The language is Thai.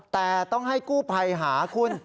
แต่ต้องให้กู้ภัยหาคุณ